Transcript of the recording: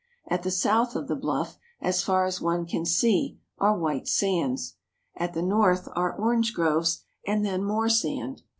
At the south of the bluff, as far as one can see, are white sands. At the north are orange groves and then more sand.